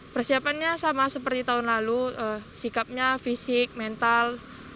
persiapannya sama seperti tahun lalu sikapnya fisik mental